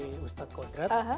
saya ustadz kodrat